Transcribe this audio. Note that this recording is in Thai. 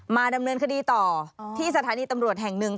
ดำเนินคดีต่อที่สถานีตำรวจแห่งหนึ่ง